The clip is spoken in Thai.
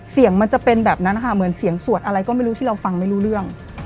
เสียงมันจะเป็นแบบนั้นค่ะเหมือนเสียงสวดอะไรก็ไม่รู้ที่เราฟังไม่รู้เรื่อง